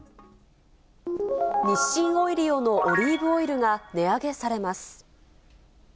日清オイリオのオリーブオイルが値上げされます。